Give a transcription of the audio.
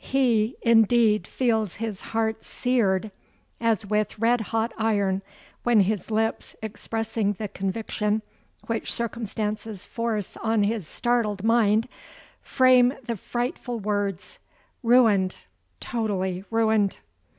he indeed feels his heart seared as with red hot iron when his lips, expressing the conviction which circumstances force on his startled mind, frame the frightful words, '_Ruined—totally ruined!